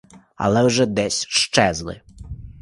Але вже десь щезли.